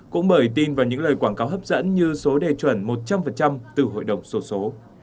cũng bởi tin vào những lời quảng cáo hấp dẫn như số đề chuẩn một trăm linh từ hội đồng số số